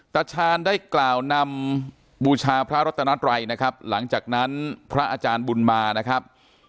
ตาชาญได้กล่าวนำบูชาพระรัตนัตรัยนะครับหลังจากนั้นพระอาจารย์บุญมานะครับ